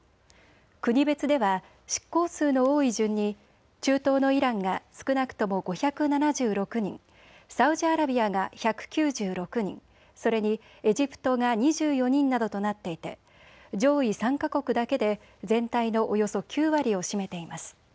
国別では執行数の多い順に中東のイランが少なくとも５７６人、サウジアラビアが１９６人、それにエジプトが２４人などとなっていて上位３か国だけで全体のおよそ９割を占めています。